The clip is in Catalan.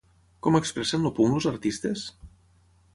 Com expressen el punk els artistes?